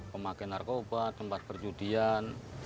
pemakai narkoba tempat perjudian